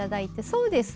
そうです。